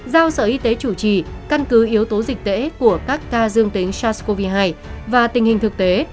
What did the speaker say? giao sở y tế chủ trì căn cứ yếu tố dịch tễ của các ca dương tính sars cov hai và tình hình thực tế